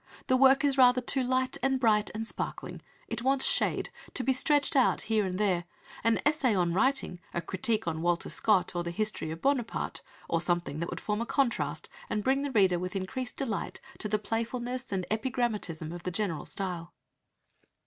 The work is rather too light and bright and sparkling, it wants shade to be stretched out here and there ... an essay on writing, a critique on Walter Scott, or the history of Buonaparte, or something that would form a contrast, and bring the reader with increased delight to the playfulness and epigrammatism of the general style."